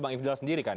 bang ifdil sendiri kan